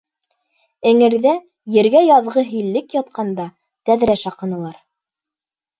Эңерҙә, ергә яҙғы һиллек ятҡанда, тәҙрә шаҡынылар.